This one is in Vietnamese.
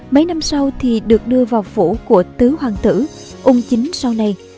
mấy năm sau thì được đưa vào phủ của tứ hoàng tử ung chính sau này